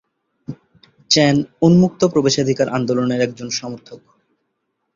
চ্যান উন্মুক্ত প্রবেশাধিকার আন্দোলনের একজন সমর্থক।